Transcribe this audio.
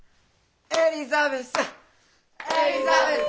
エリザベス！